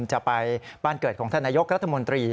จะไปบ้านเกิดของท่านนายกรัฐมนตรี